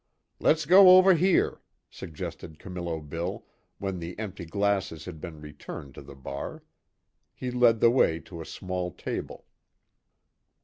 "Let's go over here," suggested Camillo Bill, when the empty glasses had been returned to the bar. He led the way to a small table.